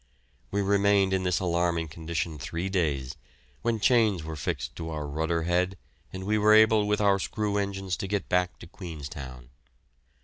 We remained in this alarming condition three days, when chains were fixed to our rudder head and we were able with our screw engines to get back to Queenstown.